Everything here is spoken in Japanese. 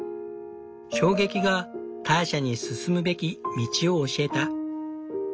衝撃がターシャに進むべき道を教えた。